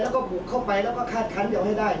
แล้วก็บุกเข้าไปแล้วก็คาดคันเดียวให้ได้